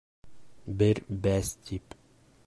Бер бәс тип...